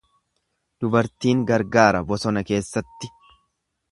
Dubartiin gargaara bosona keessatti.